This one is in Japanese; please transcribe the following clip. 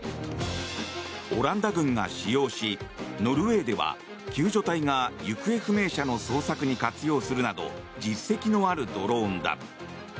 オランダ軍が使用しノルウェーでは救助隊が行方不明者の捜索に活用するなど実績のあるドローンだ。